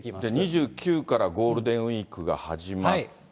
２９からゴールデンウィークが始まって。